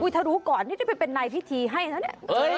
ถ้ารู้ก่อนนี่จะไปเป็นนายพิธีให้ซะเนี่ย